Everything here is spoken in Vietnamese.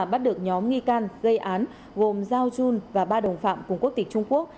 bắt được nhóm nghi can gây án gồm giao jun và ba đồng phạm cùng quốc tịch trung quốc